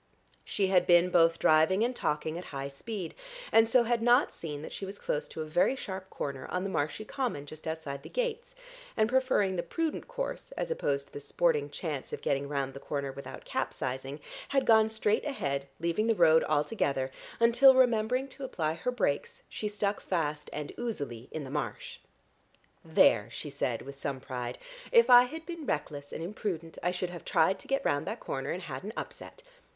She had been both driving and talking at high speed, and so had not seen that she was close to a very sharp corner on the marshy common just outside the gates, and preferring the prudent course, as opposed to the sporting chance of getting round the corner without capsizing, had gone straight ahead, leaving the road altogether, until, remembering to apply her brakes, she stuck fast and oozily in the marsh. "There!" she said with some pride. "If I had been reckless and imprudent I should have tried to get round that corner and had an upset.